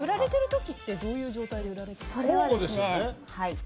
売られてる時ってどういう状態で売られてます？